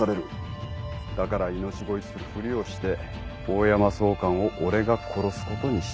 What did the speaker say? だから命ごいするふりをして大山総監を俺が殺すことにした。